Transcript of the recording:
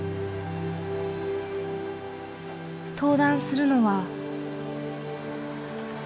登壇するのは。